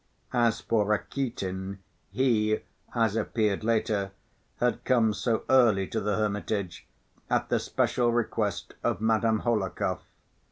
As for Rakitin, he, as appeared later, had come so early to the hermitage at the special request of Madame Hohlakov.